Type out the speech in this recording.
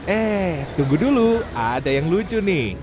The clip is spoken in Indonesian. eh tunggu dulu ada yang lucu nih